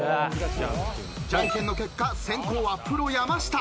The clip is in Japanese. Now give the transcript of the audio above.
［じゃんけんの結果先攻はプロ山下］